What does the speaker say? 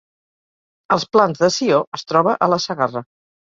Els Plans de Sió es troba a la Segarra